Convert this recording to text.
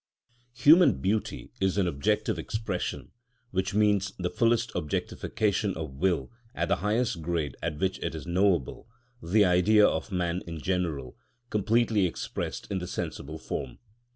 Human beauty is an objective expression, which means the fullest objectification of will at the highest grade at which it is knowable, the Idea of man in general, completely expressed in the sensible form.